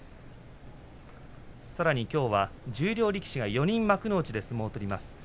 さらにきょうは十両力士が４人幕内で相撲を取ります。